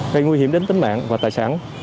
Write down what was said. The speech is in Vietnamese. gây nguy hiểm đến tính mạng và tài sản